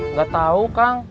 nggak tahu kang